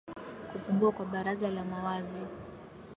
kupungua kwa baraza la mawazi